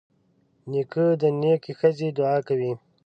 نیکه د نیکې ښځې دعا کوي.